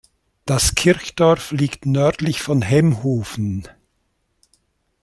Das Kirchdorf liegt nördlich von Hemhofen.